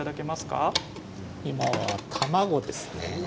今は卵ですね。